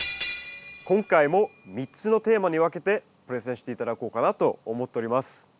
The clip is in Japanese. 今回も３つのテーマに分けてプレゼンして頂こうかなと思っております。